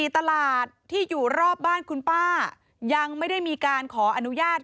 ตลาดที่อยู่รอบบ้านคุณป้ายังไม่ได้มีการขออนุญาต